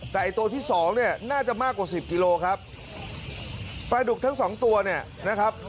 แต่ไอ้ตัวที่๒น่าจะมากกว่า๑๐กิโลครับปลาดุกทั้ง๒ตัวนะครับ